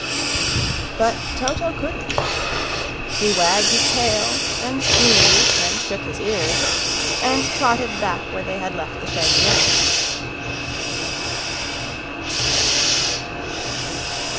But Toto couldn't. He wagged his tail, and sneezed, and shook his ears, and trotted back where they had left the shaggy man.